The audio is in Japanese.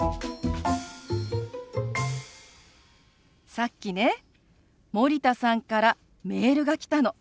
さっきね森田さんからメールが来たの。